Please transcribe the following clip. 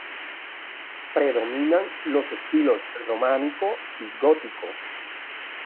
Predominan los estilos románico y gótico.